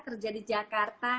kerja di jakarta